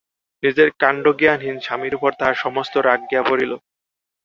নিজের কাণ্ডজ্ঞানহীন স্বামীর উপর তাঁহার সমস্ত রাগ গিয়া পড়িল।